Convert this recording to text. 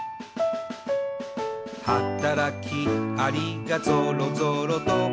「はたらきアリがぞろぞろと」